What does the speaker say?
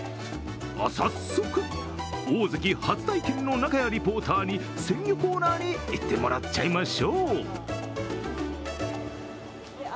早速、オオゼキ初体験の仲谷リポーターに鮮魚コーナーに行ってもらっちゃいましょう。